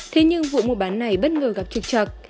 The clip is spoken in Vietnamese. thế nhưng vụ mùa bán này bất ngờ gặp trực trật